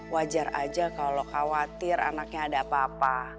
wajar aja kalau khawatir anaknya ada apa apa